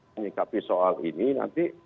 menikapi soal ini nanti